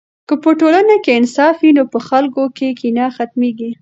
که په ټولنه کې انصاف وي نو په خلکو کې کینه ختمېږي.